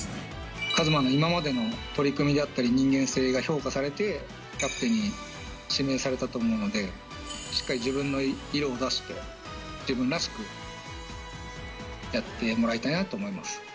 和真の今までの取り組みであったり、人間性が評価されて、キャプテンに指名されたと思うので、しっかり自分の色を出して、自分らしくやってもらいたいなと思います。